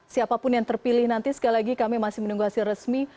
siapapun yang terpilih nanti sekali lagi kami masih menunggu hasil resmi